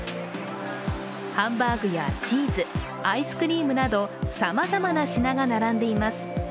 ハンバーグやチーズ、アイスクリームなどさまざまな品が並んでいます。